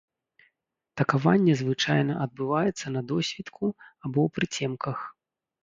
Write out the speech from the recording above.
Такаванне звычайна адбываецца на досвітку або ў прыцемках.